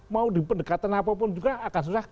mau di pendekatan apapun juga akan susah